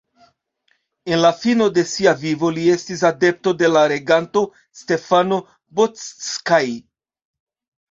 En la fino de sia vivo li estis adepto de la reganto Stefano Bocskai.